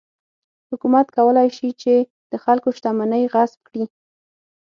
حکومت کولای شي چې د خلکو شتمنۍ غصب کړي.